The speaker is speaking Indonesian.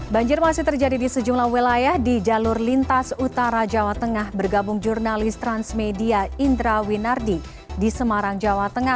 banjir masih terjadi di sejumlah wilayah di jalur lintas utara jawa tengah bergabung jurnalis transmedia indra winardi di semarang jawa tengah